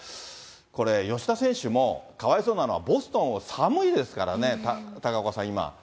これ、吉田選手もかわいそうなのは、ボストンは寒いですからね、高岡さん、今。